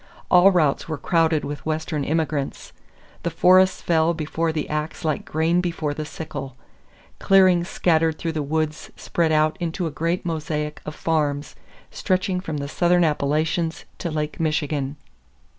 All routes were crowded with Western immigrants. The forests fell before the ax like grain before the sickle. Clearings scattered through the woods spread out into a great mosaic of farms stretching from the Southern Appalachians to Lake Michigan.